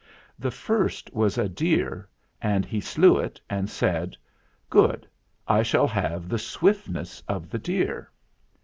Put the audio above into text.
The first was a deer, and he slew it and said, "Good, I shall have the swiftness of the deer."